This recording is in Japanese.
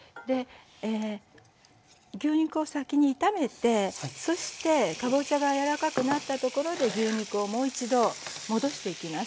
牛肉を先に炒めてそしてかぼちゃが柔らかくなったところで牛肉をもう一度戻していきます。